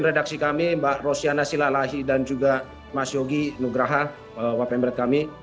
terima kasih kami mbak rosiana silalahi dan juga mas yogi nugraha wapen berat kami